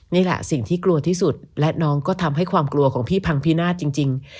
นี่แหละสิ่งที่กลัวที่สุดและน้องก็ทำให้ความกลัวของพี่พังพินาศจริง